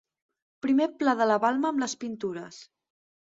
Primer pla de la balma amb les pintures.